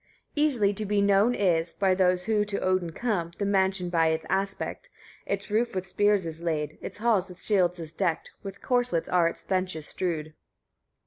9. Easily to be known is, by those who to Odin come, the mansion by its aspect. Its roof with spears is laid, its hall with shields is decked, with corslets are its benches strewed.